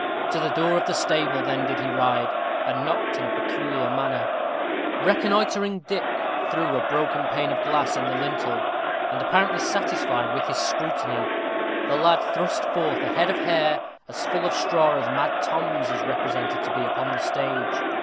To the door of the stable then did he ride, and knocked in a peculiar manner. Reconnoitering Dick through a broken pane of glass in the lintel, and apparently satisfied with his scrutiny, the lad thrust forth a head of hair as full of straw as Mad Tom's is represented to be upon the stage.